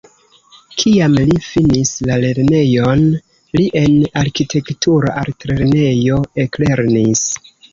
Kiam li finis la lernejon li en arkitektura altlernejo eklernis.